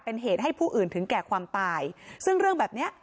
เป็นเหตุให้ผู้อื่นถึงแก่ความตายซึ่งเรื่องแบบเนี้ย